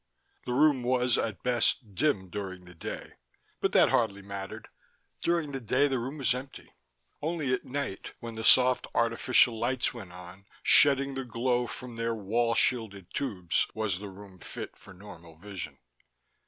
The room was, at best, dim, during the day, but that hardly mattered: during the day the room was empty. Only at night, when the soft artificial lights went on, shedding the glow from their wall shielded tubes, was the room fit for normal vision.